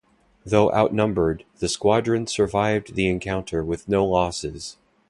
Though outnumbered, the squadron survived the encounter with no losses.